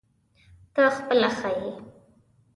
ته خپله ښه یې ؟